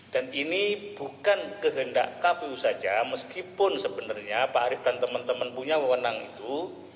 dan ini bukan kehendak kpu saja meskipun sebenarnya pak arief dan teman teman punya mewenang itu